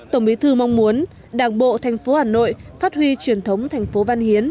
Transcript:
tổng bí thư mong muốn đảng bộ thành phố hà nội phát huy truyền thống thành phố văn hiến